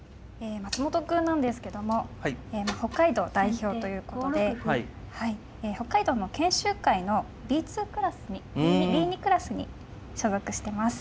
松本くんなんですけども北海道代表ということで北海道の研修会のＢ２クラスに所属してます。